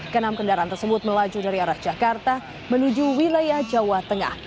kenam kendaraan tersebut melaju dari arah jakarta menuju wilayah jawa tengah